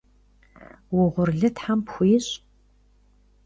Vuğurlı them pxuiş!